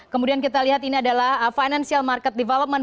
kemudian kita lihat ini adalah financial market development